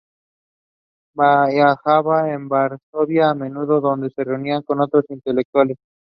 Viajaba a Varsovia a menudo, donde se reunía con otros intelectuales.